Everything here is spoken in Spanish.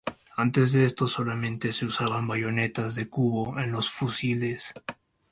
Antes de esto solamente se usaban bayonetas "de cubo" en los fusiles.